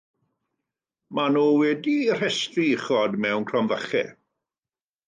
Maen nhw wedi'u rhestru uchod mewn cromfachau.